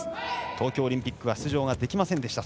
東京オリンピックは出場ができませんでした。